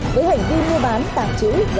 với hành vi mua bán tàng trữ vận chuyển pháo